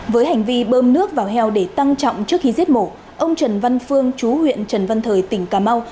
với hành vi bơm nước vào heo để tăng trọng trước khi giết mổ ông trần văn phương chú huyện trần văn thời tỉnh cà mau